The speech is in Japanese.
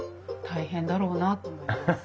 大変だろうなと思います。